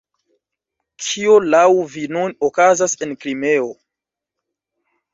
Kio laŭ vi nun okazas en Krimeo?